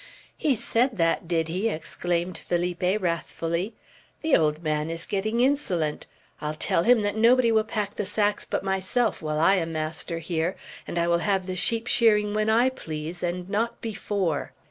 "He said that, did he!" exclaimed Felipe, wrathfully. "The old man is getting insolent. I'll tell him that nobody will pack the sacks but myself, while I am master here; and I will have the sheep shearing when I please, and not before."